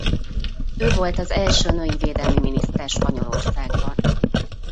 Ő volt az első női védelmi miniszter Spanyolországban.